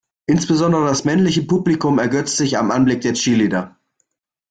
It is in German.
Insbesondere das männliche Publikum ergötzt sich am Anblick der Cheerleader.